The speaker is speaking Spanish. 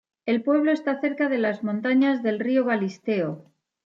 El pueblo está cerca de las montañas del río Galisteo.